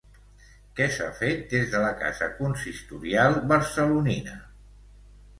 Què s'ha fet des de la casa consistorial barcelonina?